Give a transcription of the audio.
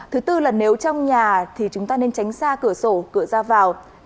thứ tư là nếu trong nhà thì chúng ta nên tránh xa cửa sổ cửa ra vào